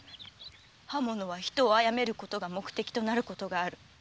刃物は人を殺めることが目的となることがある。